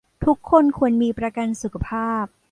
ทุกคนควรมีประกันสุขภาพ